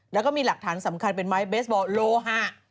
แล้วก็มีหลักฐานสำคัญเป็นไม้เบสบอลโลหะ